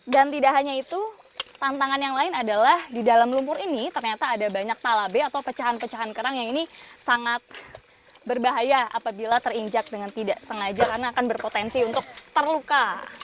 dan tidak hanya itu tantangan yang lain adalah di dalam lumpur ini ternyata ada banyak talabe atau pecahan pecahan kerang yang ini sangat berbahaya apabila terinjak dengan tidak sengaja karena akan berpotensi untuk terluka